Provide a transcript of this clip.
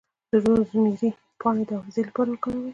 د روزمیری پاڼې د حافظې لپاره وکاروئ